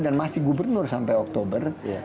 dan masih gubernur sampai oktober